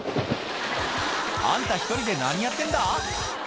あんた１人で何やってんだ？